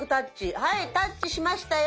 はいタッチしましたよ。